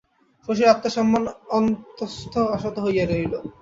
শশীর আত্বসম্মান অত্যস্ত আহত হইয়া রহিল।